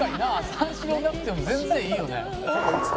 三四郎いなくても全然いいよね」